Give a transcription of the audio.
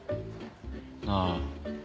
ああ。